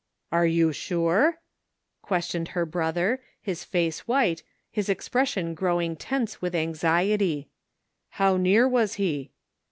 " Are you sure? " questioned her brother, his face white, his expression growing tense with anxiety. " How near was he?